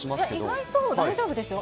意外と大丈夫ですよ。